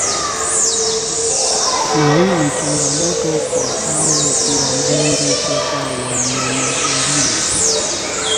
na hii ni changamoto kwa hao wabunge sasa walioingia